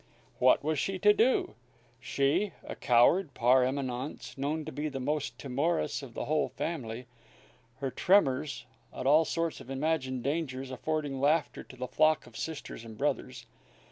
What was she to do? She, a coward par eminence, known to be the most timorous of the whole family; her tremors at all sorts of imagined dangers affording laughter to the flock of sisters and brothers.